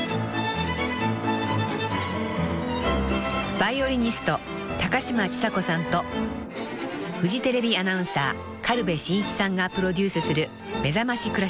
［ヴァイオリニスト高嶋ちさ子さんとフジテレビアナウンサー軽部真一さんがプロデュースする］